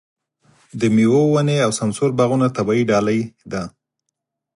د مېوو ونې او سمسور باغونه طبیعي ډالۍ ده.